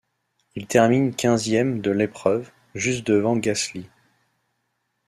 Il termine quinzième de l'épreuve, juste devant Gasly.